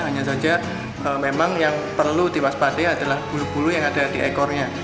hanya saja memang yang perlu diwaspadai adalah bulu bulu yang ada di ekornya